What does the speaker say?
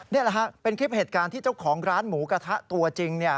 นี่แหละฮะเป็นคลิปเหตุการณ์ที่เจ้าของร้านหมูกระทะตัวจริง